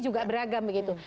juga beragam begitu